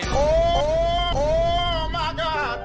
โอ้โฮมาก